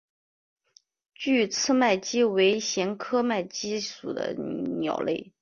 距翅麦鸡为鸻科麦鸡属的鸟类。